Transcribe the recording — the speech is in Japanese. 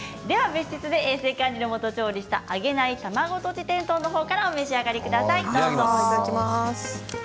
別室で衛生管理のもと調理した揚げない卵とじ天丼からお召し上がりください。